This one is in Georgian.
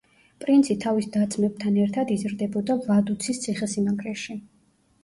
პრინცი თავის და-ძმებთან ერთად იზრდებოდა ვადუცის ციხე-სიმაგრეში.